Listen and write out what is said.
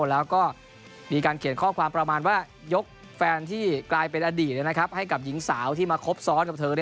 แล้วก็มีการเขียนข้อความประมาณว่ายกแฟนที่กลายเป็นอดีตให้กับหญิงสาวที่มาครบซ้อนกับเธอ